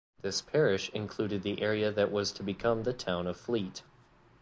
This parish included the area that was to become the town of Fleet.